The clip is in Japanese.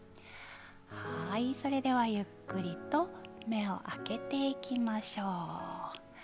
それではゆっくりと目を開けていきましょう。